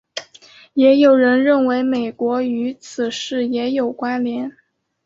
也有人认为美国与此事也有关连。